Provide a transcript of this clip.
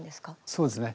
そうですね。